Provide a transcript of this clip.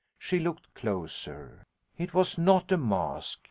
She looked closer. It was not a mask.